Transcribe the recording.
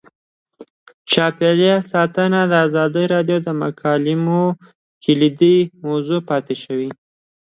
چاپیریال ساتنه د ازادي راډیو د مقالو کلیدي موضوع پاتې شوی.